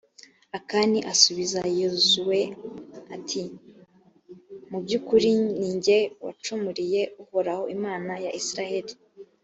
akani asubiza yozuwe, ati «mu by’ukuri, ni jye wacumuriye uhoraho, imana ya israheli.